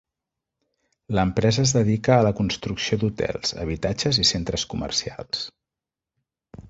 L'empresa es dedica a la construcció d'hotels, habitatges i centres comercials.